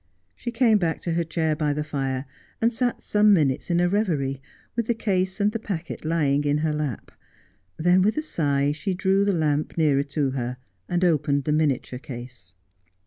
She came back to her chair by the fire, and sat some minutes in a reverie, with the case and the packet lying in her lap. Then, with a sigh, she drew the lamp nearer to her, and opened the miniature case.